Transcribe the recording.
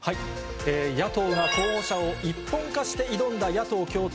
野党が候補者を一本化して挑んだ野党共闘。